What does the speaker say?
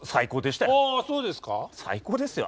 最高ですよ。